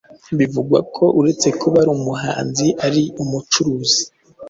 Bivugwa ko uretse kuba ari umuhanzi ari umucuruzi